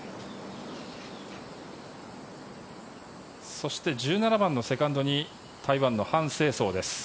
そして１７番のセカンドに台湾のハン・セイソウです。